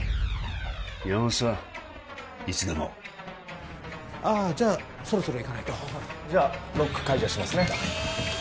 山本さんいつでもああじゃあそろそろ行かないとじゃあロック解除しますね